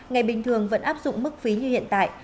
ngày bình thường vẫn áp dụng mức phí như hiện tại